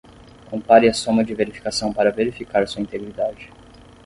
Compare a soma de verificação para verificar sua integridade.